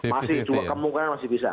masih kemungkinan masih bisa